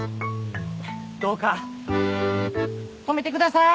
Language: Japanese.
どうか泊めてください！